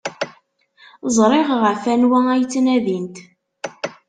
Ẓriɣ ɣef wanwa ay la ttnadint.